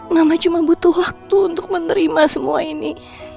mama cuma butuh waktu untuk menerima semua ini